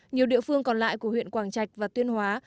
nhiều địa phương còn lại của huyện quảng trạch và tuyên hóa